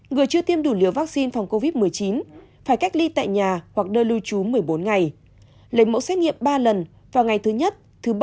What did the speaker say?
người chưa tiêm đủ liều vaccine phòng covid một mươi chín phải cách ly tại nhà hoặc nơi lưu trú một mươi bốn ngày lấy mẫu xét nghiệm ba lần vào ngày thứ nhất thứ ba